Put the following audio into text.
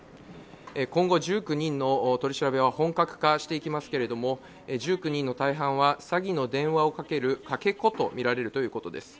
今後、１９人の取り調べは本格化していきますが１９人の大半は詐欺の電話をかけるかけ子とみられるということです。